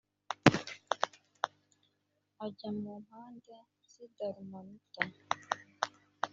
ajya mu mpande z i dalumanuta